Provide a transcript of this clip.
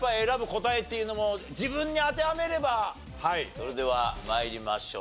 それでは参りましょう。